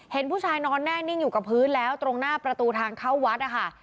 เห็นผู้ชายนอนแน่นิ่งอยู่กับพื้นแล้วตรงหน้าประตูทางเข้าวัดนะคะ